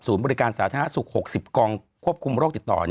บริการสาธารณสุข๖๐กองควบคุมโรคติดต่อ